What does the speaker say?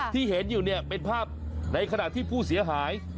ที่เห็นอยู่เนี่ยเป็นภาพในขณะที่ผู้เสียหาย